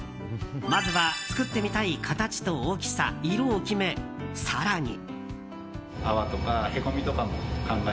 まずは作ってみたい形と大きさ色を決め更に。